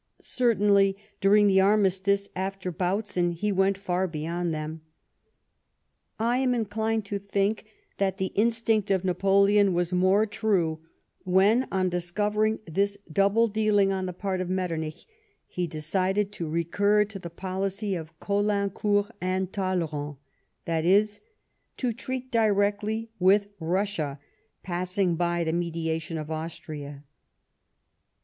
Certainly, during the armistice after Bautzen, he went far beyond them. I am inclined to think that the instinct of Napoleon was more true when, on discovering this double dealing on the part of Metternich, he decided to recur to the policy of Caulaincourt and Talleyrand, that is, to treat directly with Kussia, passing by the mediation of Austria.